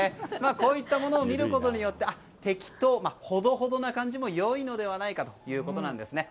こういったものを見ることによっててきと、ほどほどな感じも良いのではないかということなんですね。